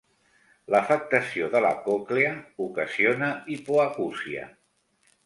L'afectació de la còclea ocasiona hipoacúsia.